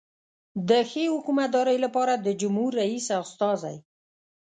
د ښې حکومتدارۍ لپاره د جمهور رئیس استازی.